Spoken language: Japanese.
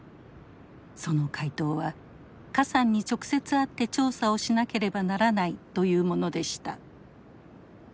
その回答は何さんに直接会って調査をしなければならないというものでした。